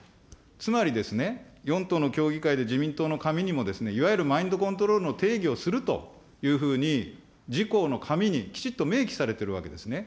つまりですね、４党の協議会で、自民党の紙にも、いわゆるマインドコントロールの定義をするというふうに自公の紙にきちっと明記されてるわけですね。